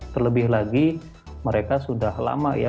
terlebih lagi mereka sudah lama ya